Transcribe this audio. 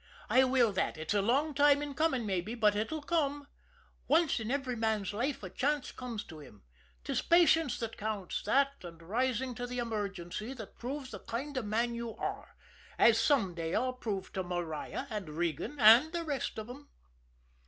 I will that! It's a long time in coming mabbe, but it'll come. Once in every man's life a chance comes to him. 'Tis patience that counts, that and rising to the emergency that proves the kind of a man you are, as some day I'll prove to Maria, and Regan, and the rest of 'em."